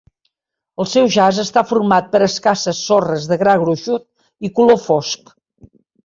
El seu jaç està format per escasses sorres de gra gruixut i color fosc.